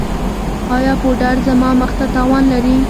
ایا پوډر زما مخ ته تاوان لري؟